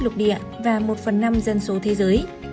thuộc địa trải khắp lục địa và một phần năm dân số thế giới